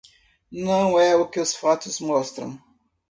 Não é o que os fatos mostram